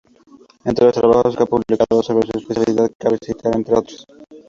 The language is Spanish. Entre los trabajos que ha publicado sobre su especialidad cabe citar, entre otros.